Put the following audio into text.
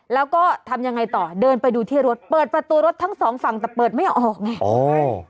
แล้วก็ทำยังไงต่อเดินไปดูที่รถเปิดประตูรถทั้งสองฝั่งแต่เปิดไม่ออกไงอ๋อ